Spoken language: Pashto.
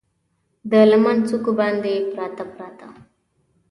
د لمن څوکو باندې، پراته، پراته